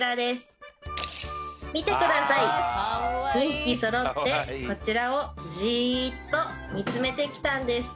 ２匹揃ってこちらをじっと見つめてきたんです